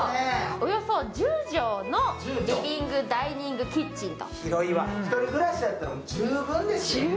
およそ１０畳のリビングダイニングキッチンと。